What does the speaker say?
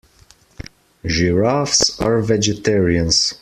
Giraffes are vegetarians.